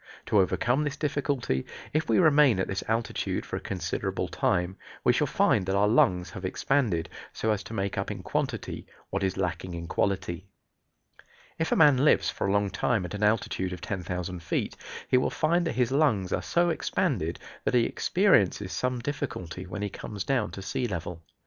To overcome this difficulty, if we remain at this altitude for a considerable time, we shall find that our lungs have expanded, so as to make up in quantity what is lacking in quality. If a man lives for a long time at an altitude of 10,000 feet he will find that his lungs are so expanded that he experiences some difficulty when he comes down to sea level.